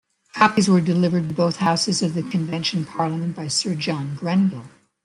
Copies were delivered to both houses of the Convention Parliament by Sir John Grenville.